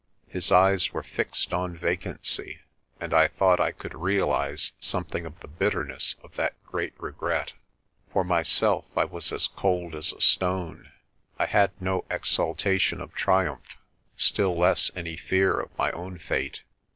His eyes were fixed on vacancy, and I thought I could realise some thing of the bitterness of that great regret. For myself I was as cold as a stone. I had no exultation of triumph, still less any fear of my own fate.